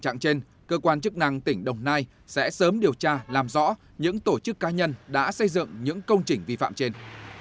tình trạng trên cơ quan chức năng tỉnh đồng nai sẽ sớm điều tra làm rõ những tổ chức ca nhân đã xây dựng những công trình vi phạm trên